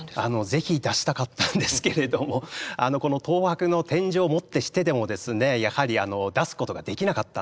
是非出したかったんですけれどもこの東博の天井をもってしてでもですねやはり出すことができなかったんです。